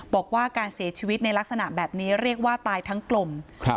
บอกว่าการเสียชีวิตในลักษณะแบบนี้เรียกว่าตายทั้งกลมครับ